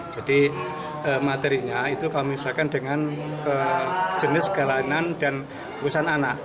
jadi materinya itu kami usahakan dengan jenis galanan dan keusahan anak